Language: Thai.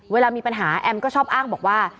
เวลามีปัญหาแอมก็ชอบอ้างบอกว่า